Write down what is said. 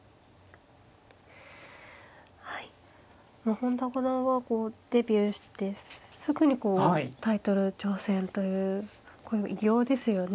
本田五段はデビューしてすぐにこうタイトル挑戦というこれは偉業ですよね。